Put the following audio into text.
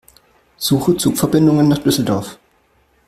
Suche Zugverbindungen nach Düsseldorf.